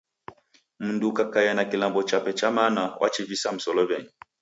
Mndu ukakaia na kilambo chape cha mana wachivisa musolow'enyi.